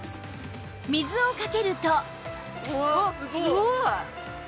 水をかけると